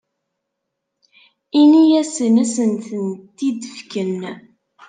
Ini-asen ad asent-ten-id-fken.